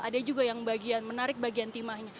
ada juga yang bagian menarik bagian timahnya